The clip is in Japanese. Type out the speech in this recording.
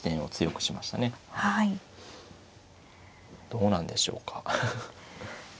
どうなんでしょうか。